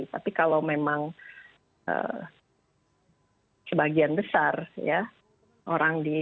tapi kalau memang sebagian besar ya orang di